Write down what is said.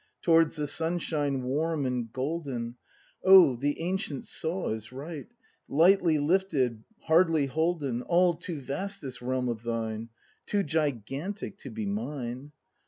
Towards the sunshine warm and golden. Oh, the ancient saw is right: "Lightly lifted, hardly holden." All too vast this realm of thine. Too gigantic to be mine.